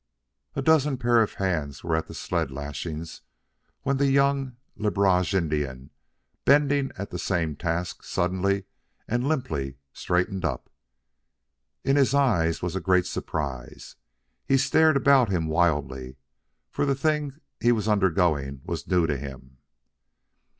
A dozen pairs of hands were at the sled lashings, when the young Le Barge Indian, bending at the same task, suddenly and limply straightened up. In his eyes was a great surprise. He stared about him wildly, for the thing he was undergoing was new to him.